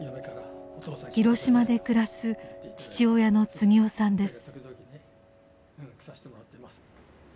広島で暮らす父親の次男さんです。